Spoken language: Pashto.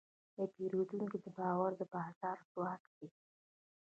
د پیرودونکي باور د بازار ځواک دی.